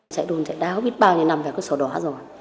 chạy đôn chạy đáo biết bao nhiêu năm phải có sổ đồ